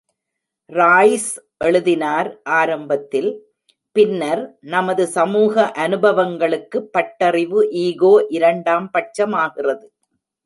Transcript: Royce எழுதினார்: ஆரம்பத்தில், பின்னர், நமது சமூக அனுபவங்களுக்கு பட்டறிவு ஈகோ இரண்டாம் பட்சமாகிறது.